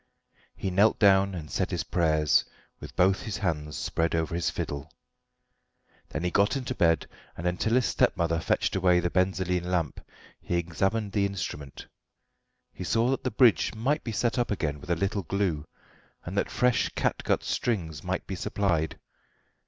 He knelt down and said his prayers, with both his hands spread over his fiddle. Then he got into bed, and until his stepmother fetched away the benzoline lamp he examined the instrument. He saw that the bridge might be set up again with a little glue, and that fresh catgut strings might be supplied.